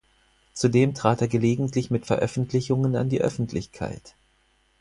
Zudem trat er gelegentlich mit Veröffentlichungen an die Öffentlichkeit.